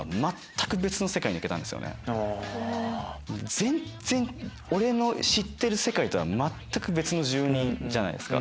全然俺の知ってる世界とは全く別の住人じゃないですか。